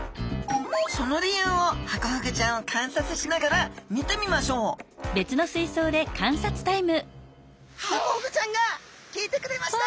その理由をハコフグちゃんを観察しながら見てみましょうハコフグちゃんが来てくれました。